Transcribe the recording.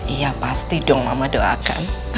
iya pasti dong mama doakan